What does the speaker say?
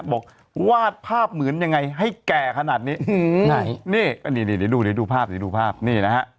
บอกวาดภาพเหมือนยังไงให้แก่ขนาดนี้นี่ดูภาพนี่นะฮะ